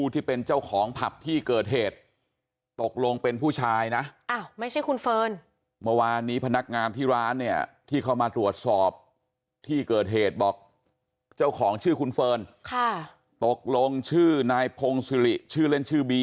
ที่เขามาตรวจสอบที่เกิดเหตุบอกเจ้าของชื่อคุณเฟิร์นค่ะตกลงชื่อนายพงศุริชื่อเล่นชื่อบี